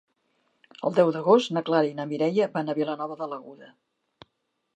El deu d'agost na Clara i na Mireia van a Vilanova de l'Aguda.